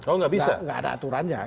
tidak ada aturannya